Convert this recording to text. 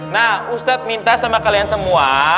nah ustadz minta sama kalian semua